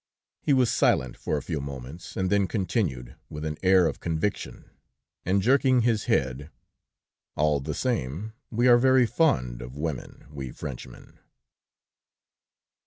He was silent for a few moments, and then continued, with an air of conviction, and jerking his head: "All the same, we are very fond of women, we Frenchmen!"